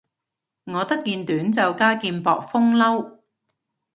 我得件短袖加件薄風褸